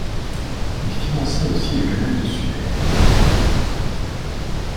Il finança aussi le canal de Suez.